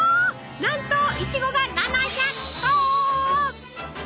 なんといちごが７００個！